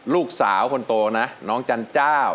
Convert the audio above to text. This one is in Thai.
ลูกสาวคนโตนะน้องจันเจ้า